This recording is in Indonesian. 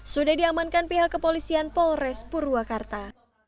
sudah diamankan pihak kepolisian polres purwakarta